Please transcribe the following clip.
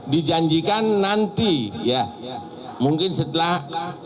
dijanjikan nanti ya mungkin setelah dua ratus dua belas